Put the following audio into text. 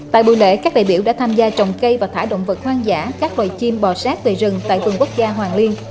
tại buổi lễ các đại biểu đã tham gia trồng cây và thả động vật hoang dã các loài chim bò sát về rừng tại vườn quốc gia hoàng liên